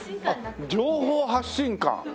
あっ情報発信館。